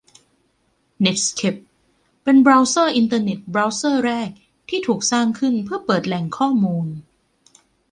เน็ตสเคป เป็นบราวเซอร์อินเทอร์เน็ต บราวเซอร์แรกที่ถูกสร้างขึ้นเพื่อเปิดแหล่งข้อมูล